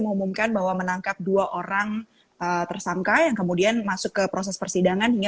mengumumkan bahwa menangkap dua orang tersangka yang kemudian masuk ke proses persidangan hingga